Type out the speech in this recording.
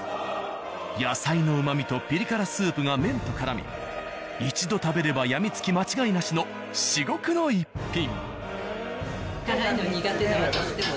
野菜の旨味とピリ辛スープが麺とからみ一度食べれば病みつき間違いなしの至極の一品。